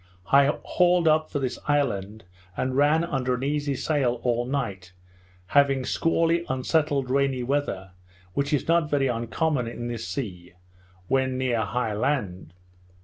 I hauled up for this island, and ran under an easy sail all night, having squally unsettled rainy weather, which is not very uncommon in this sea, when near high land.